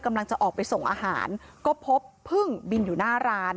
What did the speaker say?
กำลังจะออกไปส่งอาหารก็พบพึ่งบินอยู่หน้าร้าน